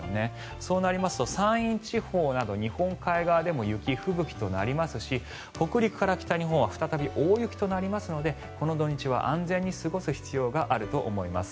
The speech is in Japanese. そうなりますと山陰地方など日本海側でも雪、吹雪となりますし北陸から北日本は再び大雪となりますのでこの土日は安全に過ごす必要があると思います。